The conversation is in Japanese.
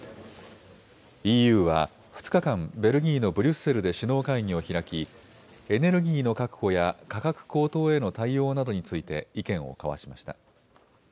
ＥＵは２日間、ベルギーのブリュッセルで首脳会議を開きエネルギーの確保や価格高騰への対応などについて意見を交わしました。